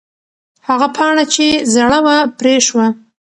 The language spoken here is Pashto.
هغه پاڼه چې زړه وه، پرې شوه.